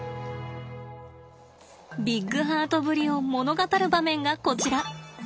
ビッグハートぶりを物語る場面がこちら。